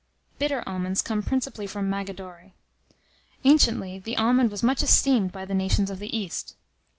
Bitter almonds come principally from Magadore. Anciently, the almond was much esteemed by the nations of the East.